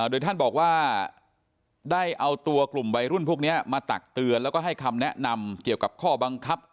โดยท่านบอกว่าได้เอาตัวกลุ่มวัยรุ่นพวกนี้มาตักเตือนแล้วก็ให้คำแนะนำเกี่ยวกับข้อบังคับ